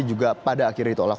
juga pada akhirnya ditolak